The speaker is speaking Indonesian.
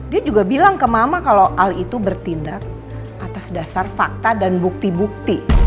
dia juga bilang ke mama kalau al itu bertindak atas dasar fakta dan bukti bukti